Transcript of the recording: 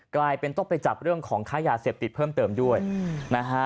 กลายเป็นต้องไปจับเรื่องของค่ายาเสพติดเพิ่มเติมด้วยนะฮะ